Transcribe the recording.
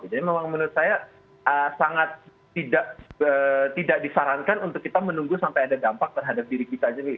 jadi memang menurut saya sangat tidak disarankan untuk kita menunggu sampai ada dampak terhadap diri kita sendiri